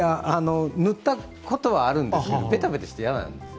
塗ったことはあるんですけどペタペタして嫌なんですよ。